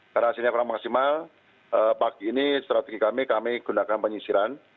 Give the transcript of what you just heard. karena hasilnya kurang maksimal pagi ini strategi kami kami gunakan penyisiran